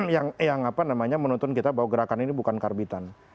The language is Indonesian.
yang apa namanya menuntun kita bahwa gerakan ini bukan karbon